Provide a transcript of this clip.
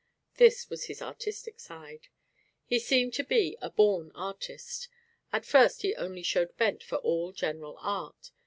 This was his artistic side. He seemed to be a born artist. At first he only showed bent for all general art.